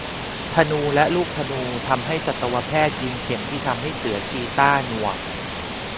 ธนูและลูกธนูทำให้สัตวแพทย์ยิงเข็มที่ทำให้เสือชีต้าหนวก